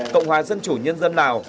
cộng hòa dân chủ nhân dân lào